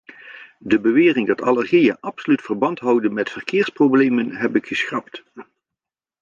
De bewering dat allergieën absoluut verband houden met verkeersproblemen heb ik geschrapt.